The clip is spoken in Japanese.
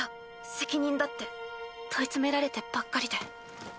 責任だ」って問い詰められてばっかりで。